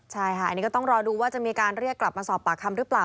ใช่ค่ะอันนี้ก็ต้องรอดูว่าจะมีการเรียกกลับมาสอบปากคำหรือเปล่า